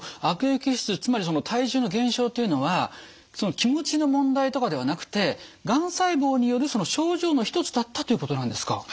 悪液質つまりその体重の減少というのは気持ちの問題とかではなくてがん細胞による症状の一つだったっていうことなんですか。